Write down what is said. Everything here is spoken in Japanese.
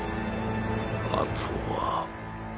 あとは。